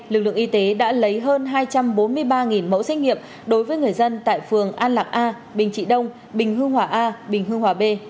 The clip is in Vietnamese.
lực lượng y tế đã lấy hơn hai trăm bốn mươi ba mẫu sinh nghiệp đối với người dân tại phường an lạc a bình trị đông bình hương hòa a bình hương hòa b trên địa bàn quận này